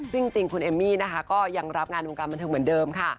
ซึ่งจริงคุณเอมมี่นะคะก็ยังรับงานวงการบันเทิงเหมือนเดิมค่ะ